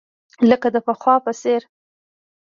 لکه د پخوا په څېر.